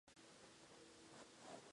Se alimenta de invertebrados.